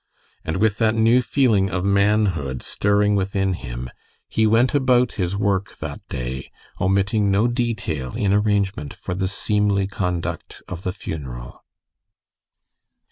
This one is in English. And with that new feeling of manhood stirring within him, he went about his work that day, omitting no detail in arrangement for the seemly conduct of the funeral.